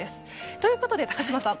ということで高島さん